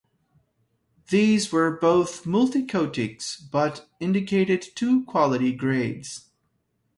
These were both multi-coatings, but indicated two quality grades.